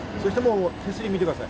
手すりを見てください。